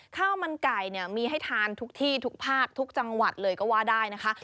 ข้าวมันไก่เนี่ยมีให้ทานทุกที่ทุกภาคทุกจังหวัดเลยก็ว่าได้นะคะ